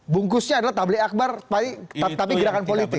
bungkusnya adalah tabli akbar tapi gerakan politik